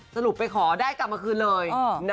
สรุปไปขอได้กลับมาคืนเลย